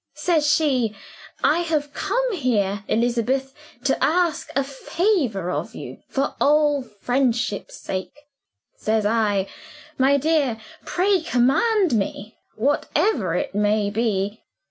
Says she, 'I have come here, Elizabeth, to ask a favor of you for old friendship's sake.' Says I, 'My dear, pray command me, whatever it may be.